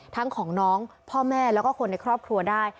ของน้องพ่อแม่แล้วก็คนในครอบครัวได้